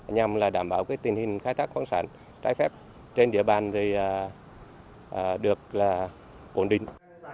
nhằm đảm bảo tình hình khai thác khoáng sản trái phép trên địa bàn được ổn định